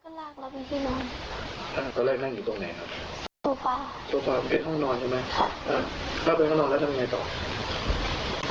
เขาก็พยายามคลุมคืน